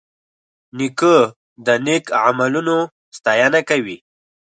نیکه د نیک عملونو ستاینه کوي.